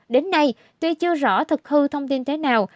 đến nay tuy chưa rõ thực hư thông tin thế nào